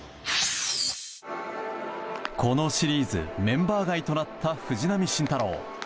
このシリーズメンバー外となった藤浪晋太郎。